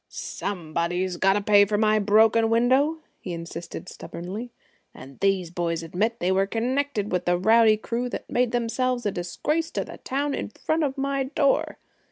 "Someone's got to pay for my broken window," he insisted stubbornly, "and these boys admit they were connected with the rowdy crew that made themselves a disgrace to the town in front of my door.